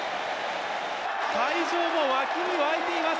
会場も沸きに沸いています。